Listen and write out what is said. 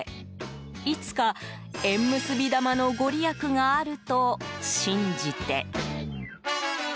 いつか縁結び玉のご利益があると信じて。